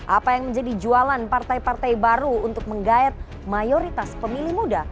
apa yang menjadi jualan partai partai baru untuk menggayat mayoritas pemilih muda